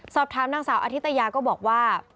สอบถามนางสาวอธิตยาก็บอกว่า